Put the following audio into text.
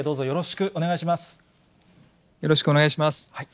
よろしくお願いします。